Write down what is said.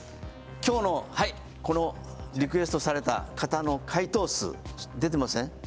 きょうのリクエストされた方の回答数、出てません？